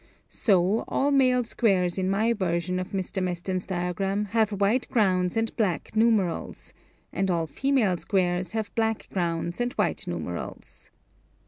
So all male squares in my version of Mr. Meston's diagram have white grounds and black numerals, and all female squares have black grounds and white numerals.